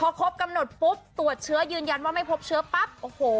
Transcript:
พอครบกำหนดปุ๊บตรวจเชื้อยืนยันว่าไม่พบเชื้อปั๊บโอ้โห